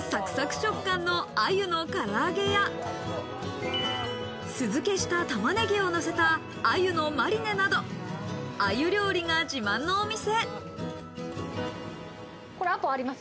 そば粉で揚げるサクサク食感の鮎のから揚げや、酢漬けした玉ねぎをのせた鮎のマリネなど、鮎料理が自慢のお店。